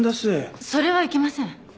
それはいけません。